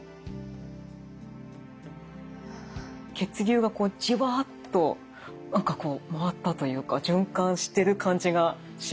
血流がこうじわっと何かこう回ったというか循環してる感じがします。